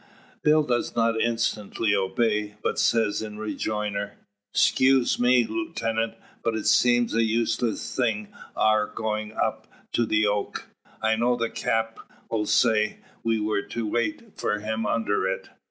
Bill does not instantly obey, but says in rejoinder: "Skuse me, lootenant, but it seems a useless thing our goin' up to the oak. I know the Cap' sayed we were to wait for them under it.